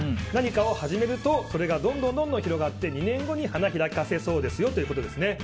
何かを始めるとそれがどんどん広がって２年後に花開かせそうですよということです。